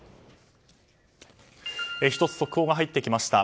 １つ、速報が入ってきました。